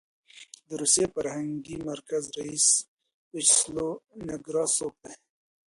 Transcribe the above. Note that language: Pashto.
د روسي فرهنګي مرکز رییس ویچسلو نکراسوف دی.